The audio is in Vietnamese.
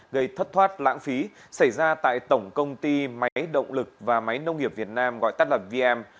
gây thất thoát lãng phí xảy ra tại tổng công ty máy động lực và máy nông nghiệp việt nam gọi tắt lập vm